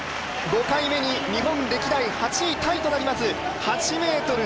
５回目に日本歴代８位タイとなります